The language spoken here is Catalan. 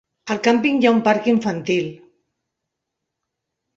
Al càmping hi ha un parc infantil.